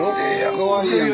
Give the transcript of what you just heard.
かわいいやんか